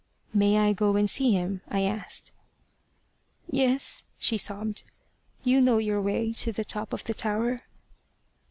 "May I go and see him?" I asked. "Yes," she sobbed. "You know your way to the top of the tower."